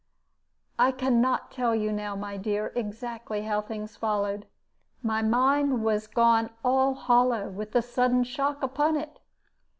"I can not tell you now, my dear, exactly how things followed. My mind was gone all hollow with the sudden shock upon it.